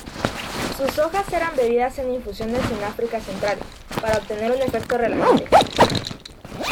Sus hojas eran bebidas en infusiones en África Central, para obtener un efecto relajante.